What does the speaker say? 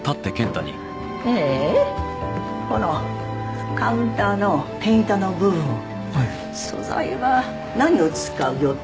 このカウンターの天板の部分素材は何を使う予定？